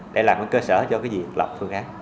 để làm cơ sở cho việc lập phương án